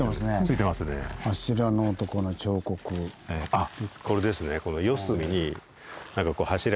あっこれですね。